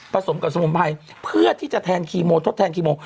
สมกับสมุนไพรเพื่อที่จะแทนคีโมทดแทนคีโม